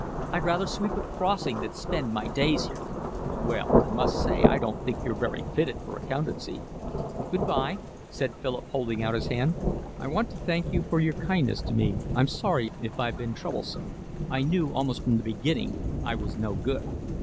I'd rather sweep a crossing than spend my days here." "Well, I must say, I don't think you're very fitted for accountancy." "Good bye," said Philip, holding out his hand. "I want to thank you for your kindness to me. I'm sorry if I've been troublesome. I knew almost from the beginning I was no good."